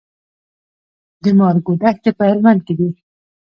د مارګو دښتې په هلمند کې دي